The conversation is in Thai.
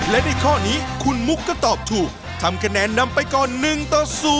และในข้อนี้คุณมุกก็ตอบถูกทำคะแนนนำไปก่อน๑ต่อ๐